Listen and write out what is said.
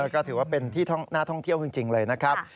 ก็ถือว่าเป็นที่น่าท่องเที่ยวจริงเลยนะครับ